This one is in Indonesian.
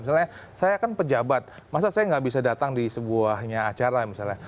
misalnya saya kan pejabat masa saya nggak bisa datang di sebuahnya acara misalnya